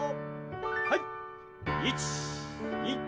はい。